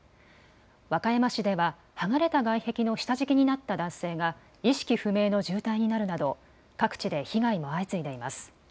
和歌山市では剥がれた外壁の下敷きになった男性が意識不明の重体になるなど各地で被害も相次いでいます。